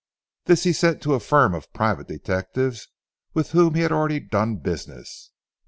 This he sent to a firm of private detectives with whom he had already done business.